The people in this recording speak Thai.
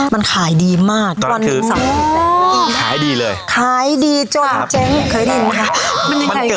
มันขายดีมากตอนนั้นคือขายดีเลยขายดีจบเจ๊มันยังไงมันเกิดอะไรขึ้นครับ